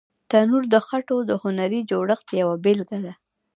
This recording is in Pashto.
تنور د خټو د هنري جوړښت یوه بېلګه ده